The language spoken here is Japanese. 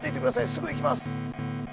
すぐ行きます。